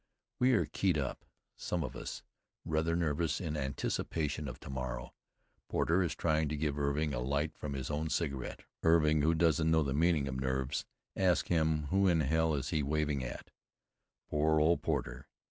We are keyed up, some of us, rather nervous in anticipation of to morrow. Porter is trying to give Irving a light from his own cigarette. Irving, who doesn't know the meaning of nerves, asks him who in hell he is waving at. Poor old Porter!